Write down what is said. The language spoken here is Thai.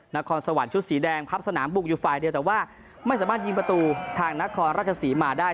นครสวรรค์ชุดสีแดงพับสนามบุกอยู่ฝ่ายเดียวแต่ว่าไม่สามารถยิงประตูทางนครราชศรีมาได้